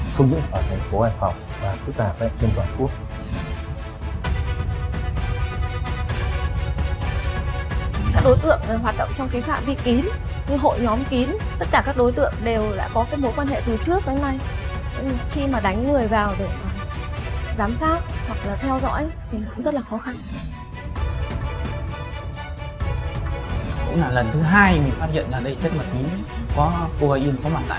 cơ quan thành phố hải phòng đã phối hợp chặt chẽ với các cơ quan chức năng cho phép số hàng hóa nói trên được vận chuyển có kiểm soát